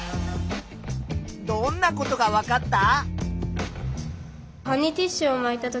どんなことがわかった？